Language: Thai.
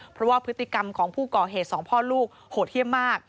เพราะว่าพฤติกรรมของผู้ก่อเหตุสองพ่อลูกโหดเยี่ยมมาก